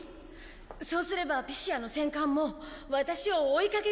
そうすればピシアの戦艦もワタシを追いかけて。